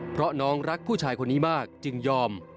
เพราะน้องรักผู้ชายคนนี้มากจึงยอม